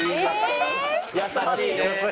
優しいね。